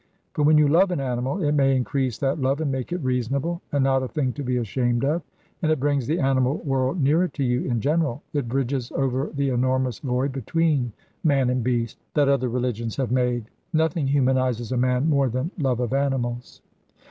But when you love an animal, it may increase that love and make it reasonable, and not a thing to be ashamed of; and it brings the animal world nearer to you in general, it bridges over the enormous void between man and beast that other religions have made. Nothing humanizes a man more than love of animals.